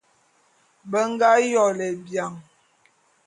Be nga yôle bian.